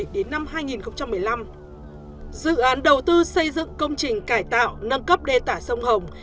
dự án đầu tư xây dựng công trình cải tạo nâng cấp đề tả sông hồng